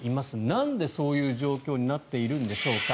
なんでそんな状況になっているんでしょうか。